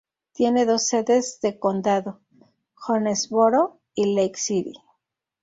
Tiene dos sedes de condado: Jonesboro y Lake City.